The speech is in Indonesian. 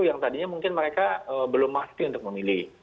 yang tadinya mungkin mereka belum pasti untuk memilih